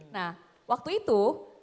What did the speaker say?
nah waktu itu